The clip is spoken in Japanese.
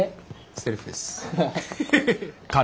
セルフです。